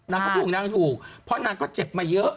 นางก็ถูกเพราะนางก็เจ็บมาเยอะ